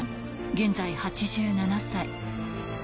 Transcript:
現在８７歳。